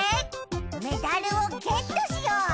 メダルをゲットしよう！